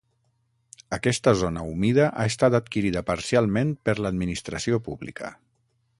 Aquesta zona humida ha estat adquirida parcialment per l'administració pública.